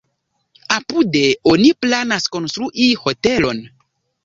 Apude oni planas konstrui hotelon.